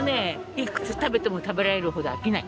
いくつ食べても食べられるほど飽きない。